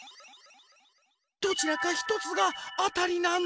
どちらかひとつがあたりなの。